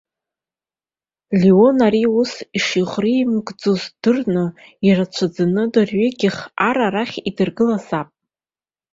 Леон ари ус ишиӷреимыкӡоз дырны, ирацәаӡаны дырҩегьых ар арахь иадыргалазаап.